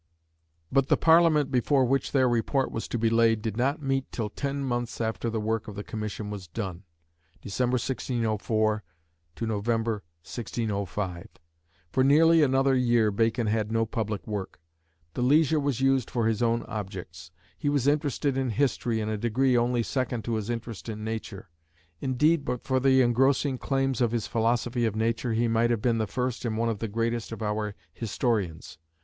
But the Parliament before which their report was to be laid did not meet till ten months after the work of the Commission was done (Dec., 1604 Nov., 1605). For nearly another year Bacon had no public work. The leisure was used for his own objects. He was interested in history in a degree only second to his interest in nature; indeed, but for the engrossing claims of his philosophy of nature, he might have been the first and one of the greatest of our historians.